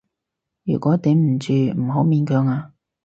如果頂唔住，唔好勉強啊